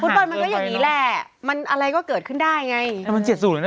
ฟุตบอลมันก็อย่างนี้แหละมันอะไรก็เกิดขึ้นได้ไง